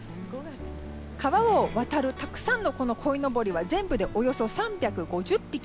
川を渡るたくさんのこいのぼりは全部で３５０匹。